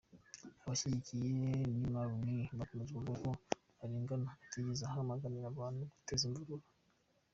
Abashyigikiye Nimr al-Nimr bakomeje kuvuga ko arengana atigeze ahamagarira abantu guteza imvururu.